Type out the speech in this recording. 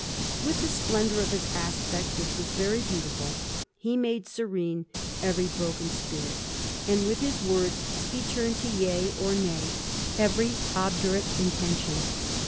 With the splendour of his aspect, which was very beautiful, he made serene every broken spirit: and with his words he turned to yea, or nay, every obdurate intention.